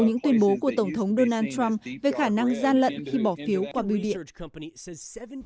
khi một số phiếu của tổng thống donald trump về khả năng gian lận khi bỏ phiếu qua biểu điện